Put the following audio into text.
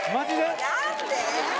何で？